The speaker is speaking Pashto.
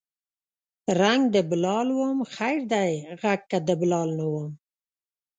رنګ د بلال وم خیر دی غږ که د بلال نه وم